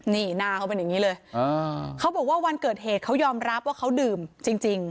นี่หน้าเขาเป็นอย่างนี้เลยเขาบอกว่าวันเกิดเหตุเขายอมรับว่าเขาดื่มจริง